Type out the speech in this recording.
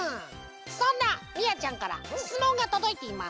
そんなみやちゃんからしつもんがとどいています。